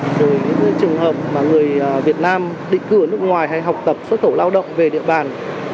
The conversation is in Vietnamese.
trừ những trường hợp mà người việt nam định cư ở nước ngoài hay học tập xuất khẩu lao động về địa bàn